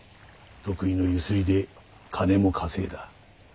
得意のゆすりで金も稼いだ。